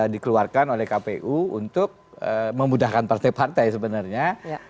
di keluarkan oleh kpu untuk memudahkan partai partai sebenarnya